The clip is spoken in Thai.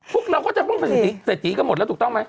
พวกเราก็จะต้องเป็นเศรษฐีกันหมดแล้วถูกต้องไหม